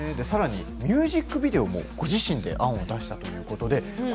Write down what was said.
さらにミュージックビデオもご自身で案を出されたそうで。